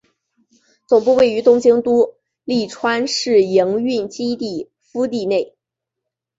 总部位于东京都立川市营运基地敷地内。